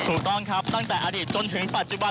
ถูกต้องครับตั้งแต่อดีตจนถึงปัจจุบัน